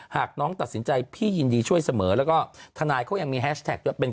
หากน้องตัดสินใจพี่ยินดีช่วยเสมอแล้วก็ทนายเขายังมีแฮชแท็กด้วยเป็น